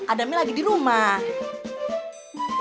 adamnya lagi di rumah